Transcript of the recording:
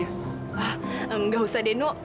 wah gak usah deh nu